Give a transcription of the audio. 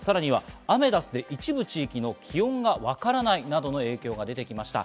アメダスで一部地域の気温がわからないなどの影響が出ていました。